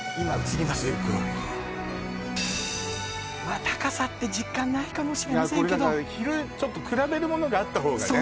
すごいね高さって実感ないかもしれませんけどこれだから広いちょっと比べるものがあった方がね